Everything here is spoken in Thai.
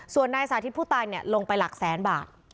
ส่วนนายสาธิตผู้ตายลงไปหลักแสนบาท